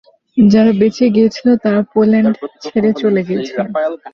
যারা বেঁচে গিয়েছিল তারা পোল্যান্ড ছেড়ে চলে গিয়েছিল।